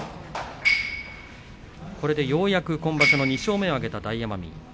これでようやく今場所２勝目を挙げた大奄美です。